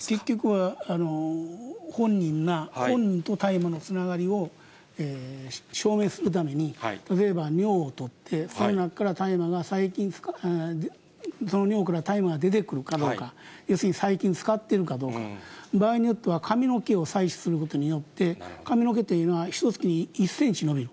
結局は、本人が、本人と大麻のつながりを証明するために、例えば尿を取って、その中から大麻が最近、その尿から大麻が出てくるかどうか、要するに最近使ってるかどうか、場合によっては、髪の毛を採取することによって髪の毛っていうのは、ひとつきに１センチ伸びる。